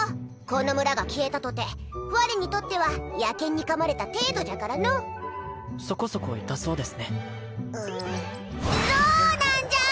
この村が消えたとて我にとっては野犬に噛まれた程度じゃからのうそこそこ痛そうですねうっそうなんじゃ！